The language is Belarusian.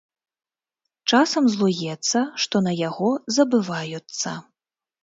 Часам злуецца, што на яго забываюцца.